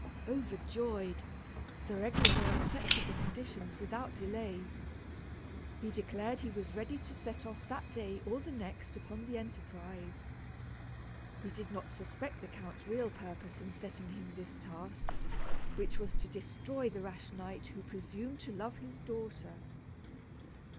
Overjoyed, Sir Eglamour accepted the conditions without delay. He declared he was ready to set off that day or the next upon the enterprise. He did not suspect the count's real purpose in setting him this task, which was to destroy the rash knight who presumed to love his daughter.